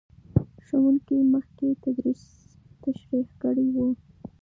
ښوونکی مخکې درس تشریح کړی و.